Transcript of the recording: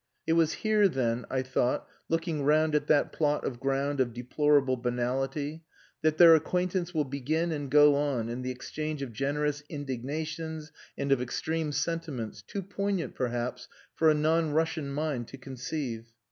It was here, then, I thought, looking round at that plot of ground of deplorable banality, that their acquaintance will begin and go on in the exchange of generous indignations and of extreme sentiments, too poignant, perhaps, for a non Russian mind to conceive.